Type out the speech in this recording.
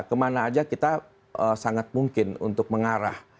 kemana aja kita sangat mungkin untuk mengarah